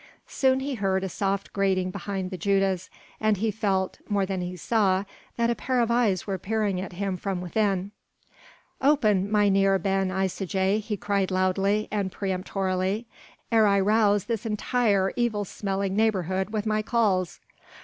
Soon he heard a soft grating behind the judas, and he felt more than he saw that a pair of eyes were peering at him from within. "Open, Mynheer Ben Isaje," he cried loudly and peremptorily, "ere I rouse this entire evil smelling neighbourhood with my calls.